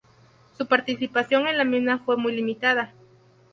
Su participación en la misma fue muy limitada.